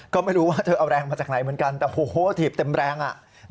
ก็ไม่รู้ว่าเธอเอาแรงมาจากไหนเหมือนกันแต่โอ้โหถีบเต็มแรงอ่ะ